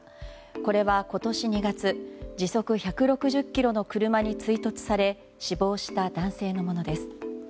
これは、今年２月時速１６０キロの車に追突され死亡した男性のものです。